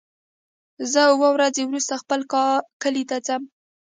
زه اووه ورځې وروسته خپل کلی ته ځم.